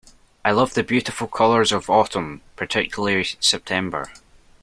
I love the beautiful colours of autumn, particularly September